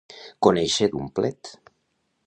Conèixer d'un plet.